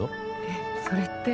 えそれって。